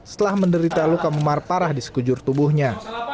setelah menderita luka memar parah di sekujur tubuhnya